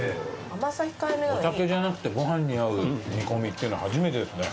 お酒じゃなくてご飯に合う煮込みっていうのは初めてですね。